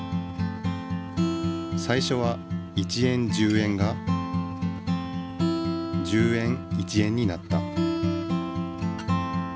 最初は１円・１０円が１０円・１円になった。